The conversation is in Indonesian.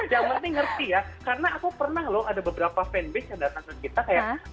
yang penting ngerti ya karena aku pernah loh ada beberapa fanbase yang datang ke kita kayak